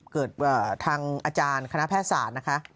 เกิดทางอาจารย์คณะแพทยศาสตร์นะคะ